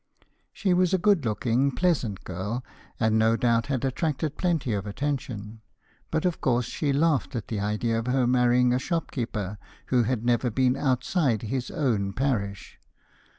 She was a good looking, pleasant girl, and no doubt had attracted plenty of attention. But of course she laughed at the idea of her marrying a shopkeeper who had never been outside his own parish.